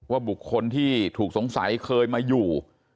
บุคคลที่ถูกสงสัยเคยมาอยู่